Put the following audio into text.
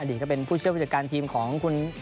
อดีตก็เป็นผู้เชื่อผู้จัดการทีมของคุณ